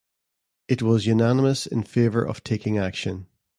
It was unanimous in favor of taking action.